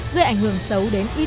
gây ảnh hưởng xấu đến quý khán giả